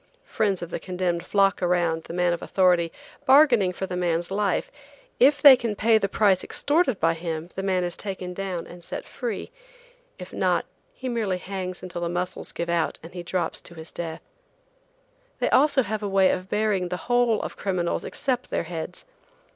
Friends of the condemned flock around the man of authority, bargaining for the man's life; if they can pay the price extorted by him the man is taken down and set free; if not, he merely hangs until the muscles give out and he drops to death. They also have a way of burying the whole of criminals except their heads.